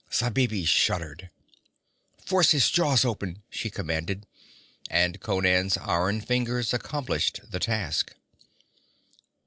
Zabibi shuddered. 'Force his jaws open!' she commanded, and Conan's iron fingers accomplished the task.